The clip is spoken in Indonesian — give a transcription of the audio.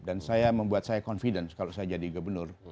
dan saya membuat saya confident kalau saya jadi gubernur